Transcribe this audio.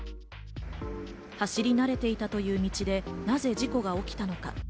走り慣れていたという道でなぜ事故が起きたのか？